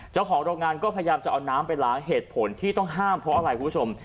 เจ้าของโรงงานก็พยายามจะเอาน้ำไปล้างเหตุผลที่ต้องห้ามเพราะอะไรคุณผู้ชม